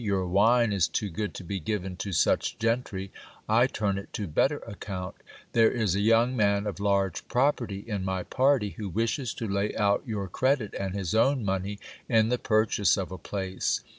Vour wine is too good to be given to such gentry ; I turn it to better account There is a young man of large property in my party, who wishes to lay out •'our credit and his own money in the purchase of a place.